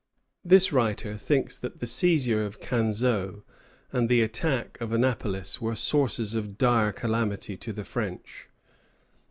This writer thinks that the seizure of Canseau and the attack of Annapolis were sources of dire calamity to the French.